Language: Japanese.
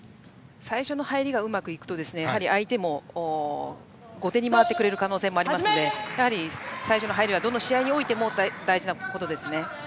最初の入りがうまくいくと相手も後手に回ってくれる可能性もあるので最初の入りはどの試合においても大事なことですね。